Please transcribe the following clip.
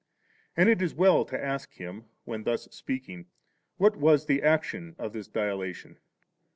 And it is well to ask him, when thus speaking, what was the action 9 of this dilatation?